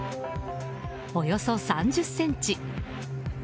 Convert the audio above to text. およそ３０ｃｍ。